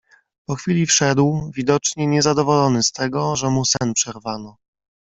"Po chwili wszedł, widocznie niezadowolony z tego, że mu sen przerwano."